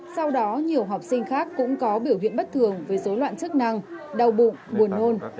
sau đó nhiều học sinh khác cũng có biểu hiện bất thường với dối loạn chức năng đau bụng buồn nôn